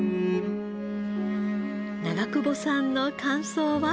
長久保さんの感想は？